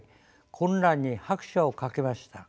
混乱に拍車をかけました。